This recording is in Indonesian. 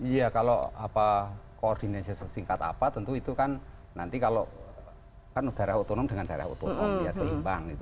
iya kalau koordinasi sesingkat apa tentu itu kan nanti kalau kan udara otonom dengan daerah otonom ya seimbang gitu